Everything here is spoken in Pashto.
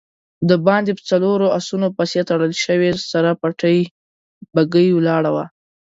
د باندی په څلورو آسونو پسې تړل شوې سر پټې بګۍ ولاړه وه.